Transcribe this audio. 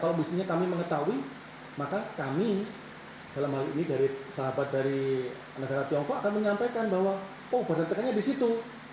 kalau misalnya kami mengetahui maka kami dalam hal ini dari sahabat dari negara tiongkok akan menyampaikan bahwa oh badan tekannya di situ